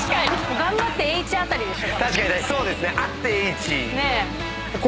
頑張ってＨあたりでしょ。